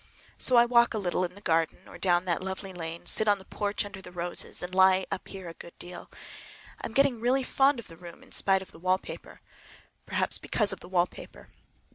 So I walk a little in the garden or down that lovely lane, sit on the porch under the roses, and lie down up here a good deal. I'm getting really fond of the room in spite of the wallpaper. Perhaps because of the wallpaper.